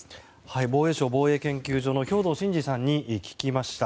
防衛省防衛研究所の兵頭慎治さんに聞きました。